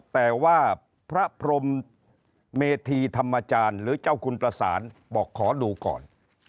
แต่ว่าพระพรมเมธีธรรมจารย์หรือเจ้าคุณประสานบอกขอดูก่อน